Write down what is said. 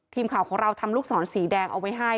ทีมข่าวของเราทำลูกศรสีแดงเอาไว้ให้